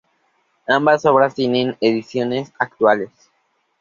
Ambas obras tienen ediciones actuales.